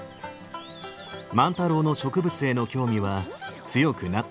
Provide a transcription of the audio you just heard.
万太郎の植物への興味は強くなっていくばかり。